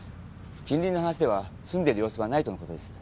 近隣の話では住んでる様子はないとの事です。